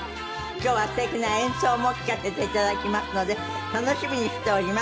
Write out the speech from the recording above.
今日はすてきな演奏も聴かせて頂きますので楽しみにしております。